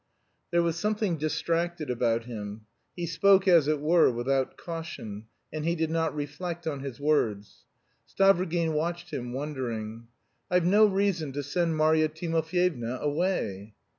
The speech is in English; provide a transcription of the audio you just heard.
There was something distracted about him. He spoke, as it were, without caution, and he did not reflect on his words. Stavrogin watched him, wondering. "I've no reason to send Marya Timofyevna away."